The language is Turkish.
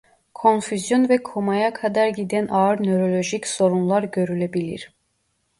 Konfüzyon ve komaya kadar giden ağır nörolojik sorunlar görülebilir.